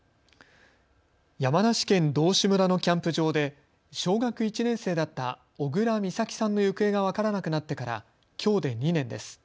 山梨県道志村のキャンプ場で小学１年生だった小倉美咲さんの行方が分からなくなってからきょうで２年です。